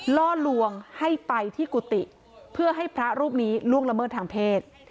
ล่อลวงให้ไปที่กุฏิเพื่อให้พระรูปนี้ล่วงละเมิดทางเพศ